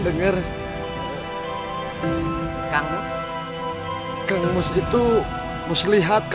terus kenapa pulang